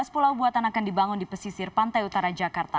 tujuh belas pulau buatan akan dibangun di pesisir pantai utara jakarta